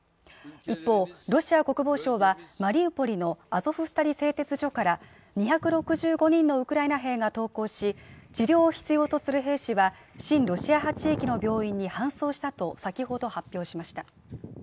一方、ロシア国防省は、マリウポリのアゾフスタリ製鉄所から２６５人のウクライナ兵が投降し治療を必要とする兵士は親ロシア派地域の病院に搬送したと先ほど発表しました。